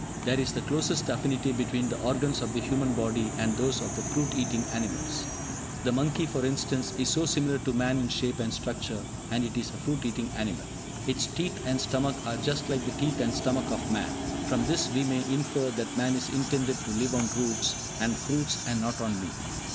There is the closest affinity between the organs of the human body and those of the fruit eating animals. The monkey, for instance, is so similar to man in shape and structure, and it is a fruit eating animal. Its teeth and stomach are just like the teeth and stomach of man. From this we may infer that man is intended to live on roots and fruits, and not on meat.